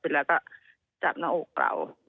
แล้วก็จับหน้าอกเรา